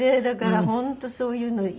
だから本当そういうの。